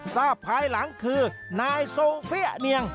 ทราบภายหลังคือนายโซเฟียเหนียง